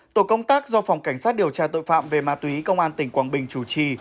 tổ công tác do phòng cảnh sát điều tra tội phạm về ma túy công an tỉnh quảng bình chủ trì